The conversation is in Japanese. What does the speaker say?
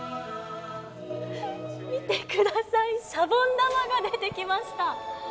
見てください、シャボン玉が出てきました。